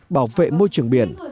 bảo vệ môi trường biển